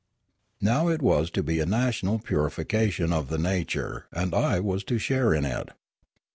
Now it was to be a national purification of the nature, and I was to share in it.